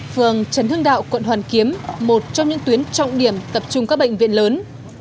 phường trấn hương đạo quận hoàn kiếm một trong những tuyến trọng điểm tập trung các bệnh viện lớn